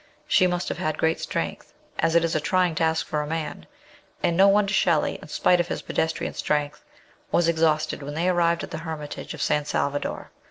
She must have had great strength, as it is a trying task for a man, and no wonder Shelley, in spite of his pedestrian strength, was exhausted when they arrived at the hermitage of San Salvador.